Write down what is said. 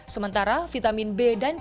sementara vitamin b dan c larut dalam lemak